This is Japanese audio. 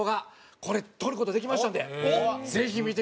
これ撮る事できましたのでぜひ見てください！